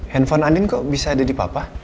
handphone andin kok bisa ada di papa